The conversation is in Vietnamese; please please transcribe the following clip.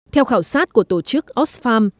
theo khảo sát của tổ chức osfarm